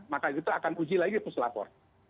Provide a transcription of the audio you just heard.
maka itu akan uji lagi peselapor